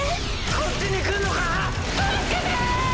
こっちに来んのか⁉助けて！